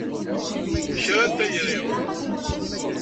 Kra n tayri!